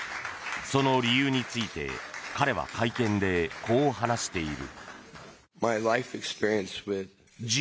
その理由について彼は会見でこう話している。